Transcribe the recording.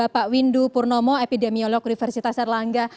pak windu purnomo epidemiolog universitas erlangga